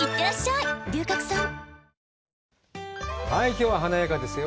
きょうは華やかですよ。